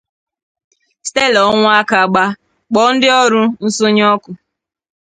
Stella Ọnwụakagba kpọọ ndị ọrụ nsọnyụ ọkụ